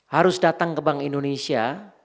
harus datang ke bank indonesia